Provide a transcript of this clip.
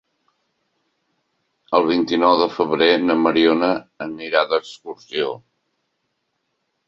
El vint-i-nou de febrer na Mariona anirà d'excursió.